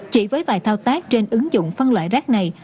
chỉ với vài thao tác trên ứng dụng phân loại rác này